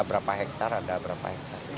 berapa hektare ada berapa hektare